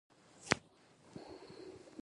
سهار مې له خوبه را جېګ نه کړل.